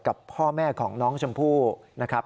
กับพ่อแม่ของน้องชมพู่นะครับ